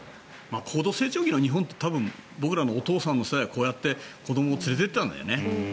高度成長期の日本も多分、僕らのお父さんの世代はこうやって子どもを連れて行ったんだよね。